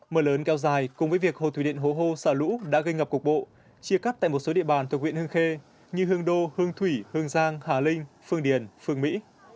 mưa lớn kéo dài cùng với việc hồ thủy điện hố hô xả lũ đã gây ngập cục bộ chia cắt tại một số địa bàn thuộc huyện hương khê như hương đô hương thủy hương giang hà linh phương điền phương mỹ